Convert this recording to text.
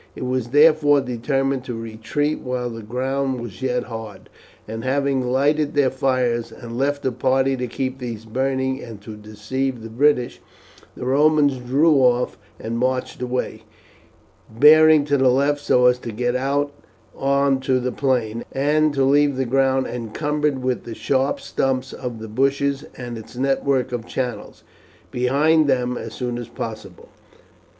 It was therefore determined to retreat while the ground was yet hard, and having lighted their fires, and left a party to keep these burning and to deceive the British, the Romans drew off and marched away, bearing to the left so as to get out on to the plain, and to leave the ground, encumbered with the sharp stumps of the bushes and its network of channels, behind them as soon as possible.